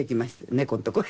猫のとこへ。